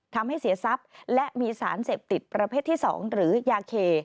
ทำให้เสียทรัพย์และมีสารเสพติดประเภทที่๒หรือยาเค